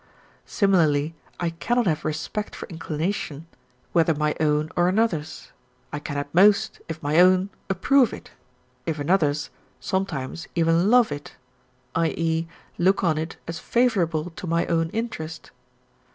Similarly I cannot have respect for inclination, whether my own or another's; I can at most, if my own, approve it; if another's, sometimes even love it; i.e., look on it as favourable to my own interest.